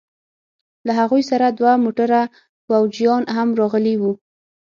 له هغوى سره دوه موټره فوجيان هم راغلي وو.